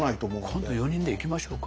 今度４人で行きましょうか。